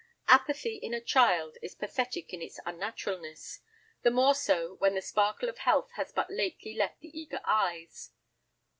Apathy in a child is pathetic in its unnaturalness, the more so when the sparkle of health has but lately left the eager eyes.